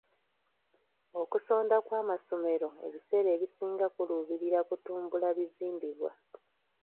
Okusonda kw'amasomero ebiseera ebisinga kuluubirira kutumbula bizimbibwa.